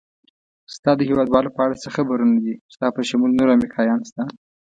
ستا د هېوادوالو په اړه څه خبرونه دي؟ ستا په شمول نور امریکایان شته؟